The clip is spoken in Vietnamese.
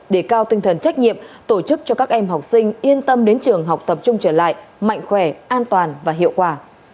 để cao tinh thần trách nhiệm tổ chức cho các em học sinh yên tâm đến trường học tập trung trở lại mạnh khỏe an toàn và hiệu quả